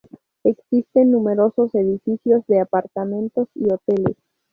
Existen numerosos edificios de apartamentos y hoteles.